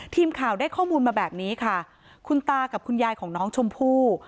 ทีมข่าวได้ข้อมูลมาแบบนี้ค่ะคุณตากับคุณยายของน้องชมพู่